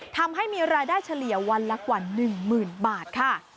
ทำให้มีรายได้เฉลี่ยวันละกว่า๑๐๐๐บาทค่ะ